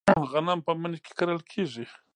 غنم په مني کې کرل کیږي.